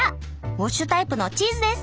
ウォッシュタイプのチーズです。